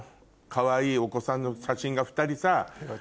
かわいいお子さんの写真が２人さ。